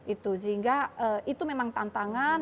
itu sehingga itu memang tantangan